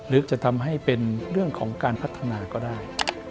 หรือจะทำให้เป็นเรื่องของการพัฒนาก็ได้